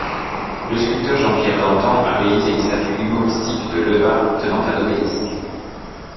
Le sculpteur Jean-Pierre Dantan a réalisé une statue humoristique de Lebas tenant un obélisque.